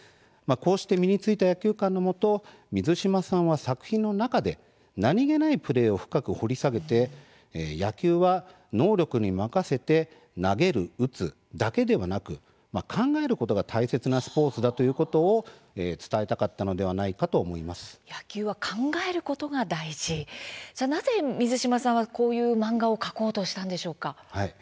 こうして身についた野球観のもと水島さんは作品の中で何気ないプレーを深く掘り下げて野球は能力に任せて投げる、打つだけではなく考えることが大切なスポーツだということを伝えたかったのでは野球は考えることが大事なぜ、水島さんはこういう漫画を描こうとしたんでしょうか？